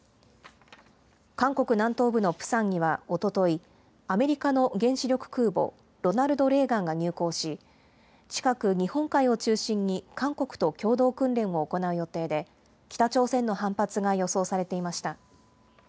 韓国南東部のプサンにはおととい、アメリカの原子力空母ロナルド・レーガンが入港し、近く日本海を中心に韓国と共同訓練を行う予定で、北朝鮮の反発が予想されていました。